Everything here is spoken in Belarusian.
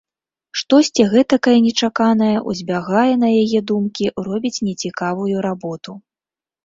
Штосьці гэтакае нечаканае ўзбягае на яе думкі, робіць нецікавую работу.